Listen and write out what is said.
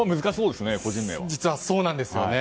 実はそうなんですよね。